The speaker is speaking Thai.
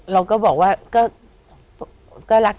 เราก็บอกว่า